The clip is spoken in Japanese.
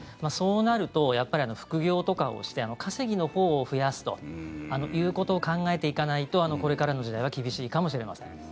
そうなるとやっぱり副業とかをして稼ぎのほうを増やすということを考えていかないとこれからの時代は厳しいかもしれません。